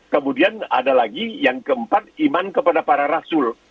kemudian ada lagi yang keempat iman kepada para rasul